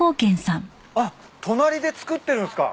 あっ隣で作ってるんすか。